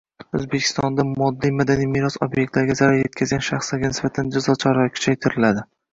O‘zbekistonda moddiy madaniy meros obyektlariga zarar yetkazgan shaxslarga nisbatan jazo choralari kuchaytiriladi